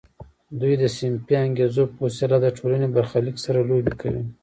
دوی د صنفي انګیزو په وسیله د ټولنې برخلیک سره لوبې کوي